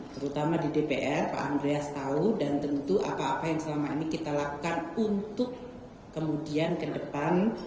terutama di dpr pak andreas tahu dan tentu apa apa yang selama ini kita lakukan untuk kemudian ke depan